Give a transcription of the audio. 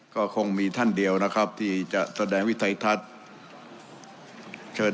ก็คงมีท่านเดียวนะครับที่จะแสดงวิทัยทัศน์เชิญ